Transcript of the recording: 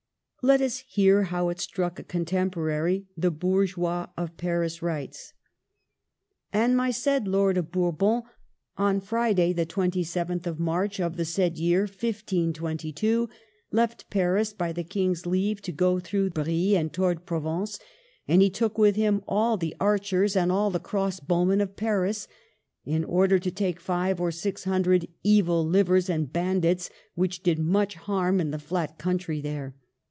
Let us hear how it struck a contemporary. The Bourgeois of Paris writes :— CONSTABLE BOURBON. 7 1 " And my said Lord of Bourbon, on Friday, the 2 7th of March of the said year 1522, left Paris, by the King's leave, to go through Brie and towards Provence ; and he took with him all the archers and all the crossbow men of Paris, in order to take five or six hundred evil livers and bandits which did much harm in the flat country there.